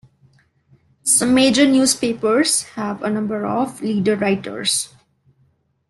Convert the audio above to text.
Some major newspapers have a number of leader writers.